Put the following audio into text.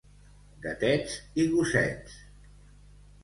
Gatets i gossets.